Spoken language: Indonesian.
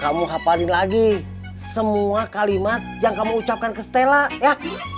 kamu hafalin lagi semua kalimat yang kamu ucapkan ke stella ya